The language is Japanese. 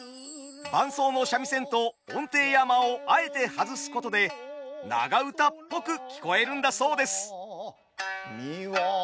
伴奏の三味線と音程や間をあえて外すことで長唄っぽく聞こえるんだそうです。